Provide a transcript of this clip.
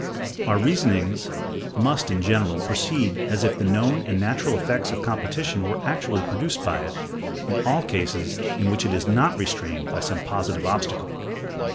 Our reasonings must, in general, proceed as if the known and natural effects of competition were actually produced by it, in all cases in which it is not restrained by some positive obstacle.